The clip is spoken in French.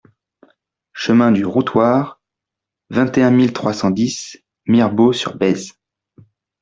Chemin du Routoir, vingt et un mille trois cent dix Mirebeau-sur-Bèze